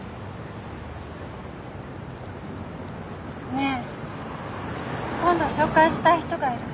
ねえ今度紹介したい人がいる。